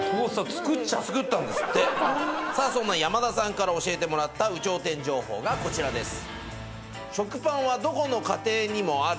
作ったんですってさあそんな山田さんから教えてもらった有頂天情報がこちらです